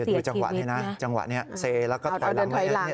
เดี๋ยวดูจังหวะนี้นะจังหวะนี้เซแล้วก็ถอยหลัง